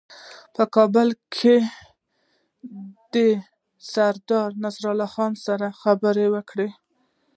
په کابل کې دوی له سردارنصرالله خان سره خبرې وکړې.